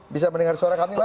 bisa mendengar suara kami pak